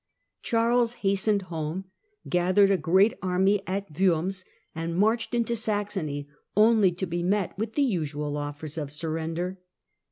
Charles hastened home, gathered a great army at Worms, and marched into Saxony, only to be met with the usual offers of surrender.